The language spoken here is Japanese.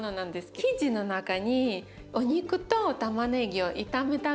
生地の中にお肉とたまねぎを炒めた具が入って。